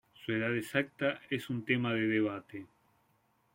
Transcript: Su edad exacta es un tema de debate.